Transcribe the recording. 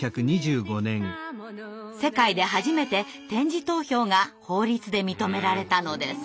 世界で初めて点字投票が法律で認められたのです。